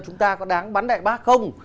chúng ta có đáng bắn đại bác không